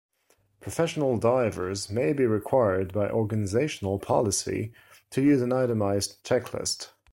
Professional divers may be required by organizational policy to use an itemised checklist.